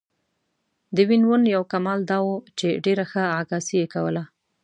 د وین وون یو کمال دا و چې ډېره ښه عکاسي یې کوله.